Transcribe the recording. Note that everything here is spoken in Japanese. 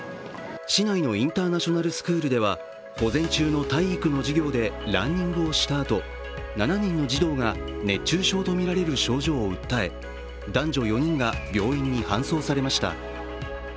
市内のインターナショナルスクールでは午前中の体育の授業でランニングをしたあと、７人の児童が熱中症とみられる症状を訴え、男女４人が病院に搬送されました。